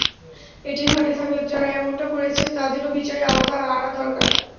এটি ঘটে থাকলে যাঁরা এমনটা করেছেন তাঁদেরও বিচারের আওতায় আনা দরকার।